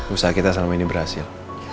usaha kita selama ini berhasil